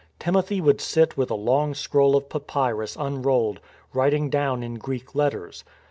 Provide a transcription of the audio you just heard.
Timothy would sit with a long scroll of papyrus un rolled, writing down in Greek letters.